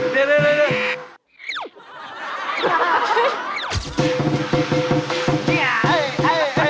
เดี๋ยว